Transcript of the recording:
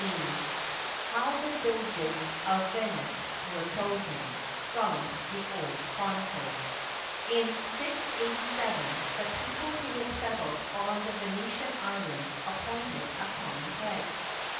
SO HOW THE DOGES OF VENICE WERE CHOSEN FROM THE OLD CHRONICLES [In 687, the people who had settled on the Venetian islands appointed a common head.